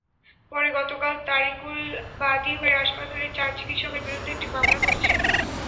পরে গতকাল তারেকুল বাদী হয়ে হাসপাতালের চার চিকিৎসকের বিরুদ্ধে একটি মামলা করেছেন।